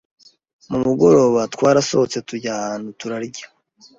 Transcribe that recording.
Mumugoroba, twarasohotse tujya ahantu turarya